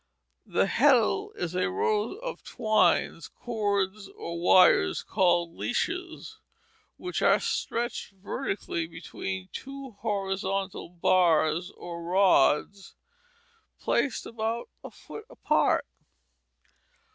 The heddle is a row of twines, cords, or wires called leashes, which are stretched vertically between two horizontal bars or rods, placed about a foot apart.